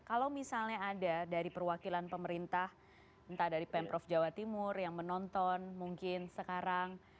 kalau misalnya ada dari perwakilan pemerintah entah dari pemprov jawa timur yang menonton mungkin sekarang